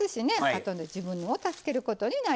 あとの自分を助けることになります。